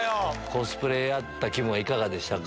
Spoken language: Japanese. コスプレやった気分はいかがでした？